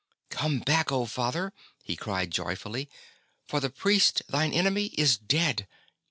*'Come back, Father," he cried joyfully, '' for the priest thine enemy is dead